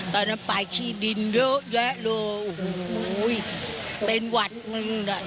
ตอนนั้นไปขี้ดินเยอะแยะเลยโอ้โหเป็นหวัดมึงอ่ะ